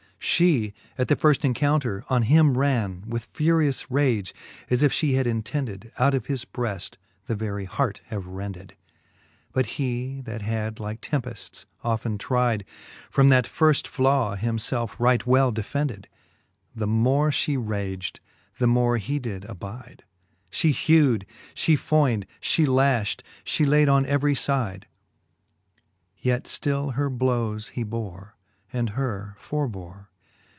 She at the firft encounter on him ran With furious rage, as if Ihe had intended Out of his breaft the very heart have rended r But he, that had like tempefts often tride, From that firft flaw him felfe right well defendedr The more Ihe rag'd, the more he did abide \ She hewd, Ihe foynd, fhe lalitt, fhe kid on every fide^ VII. Yet ftill her blowes he bore, and her forbore.